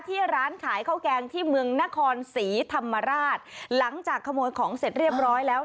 ร้านขายข้าวแกงที่เมืองนครศรีธรรมราชหลังจากขโมยของเสร็จเรียบร้อยแล้ว